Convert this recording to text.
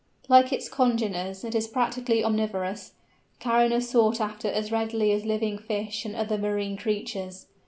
Like its congeners, it is practically omnivorous. Carrion is sought after as readily as living fish and other marine creatures.